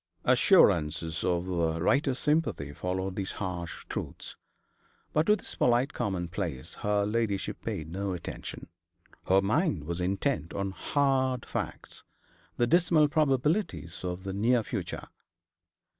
Assurances of the writer's sympathy followed these harsh truths. But to this polite commonplace her ladyship paid no attention. Her mind was intent on hard facts, the dismal probabilities of the near future.